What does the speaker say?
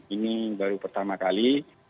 ini baru pertama kali